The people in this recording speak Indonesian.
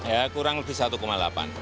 ya kurang lebih satu delapan